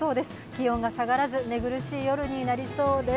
気温が下がらず寝苦しい夜となりそうです。